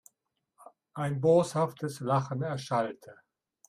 Ein boshaftes Lachen erschallte.